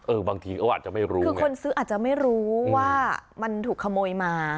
บางทีเขาอาจจะไม่รู้คือคนซื้ออาจจะไม่รู้ว่ามันถูกขโมยมา